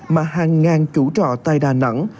mà hàng ngàn chủ trọ tại đà nẵng